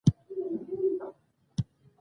ملګری د بریا ملګری وي.